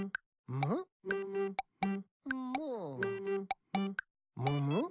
「むむむっ？」